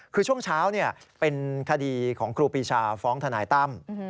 คือช่วงเช้าเป็นคดีของครูปีชาฟ้องทนายตั้ม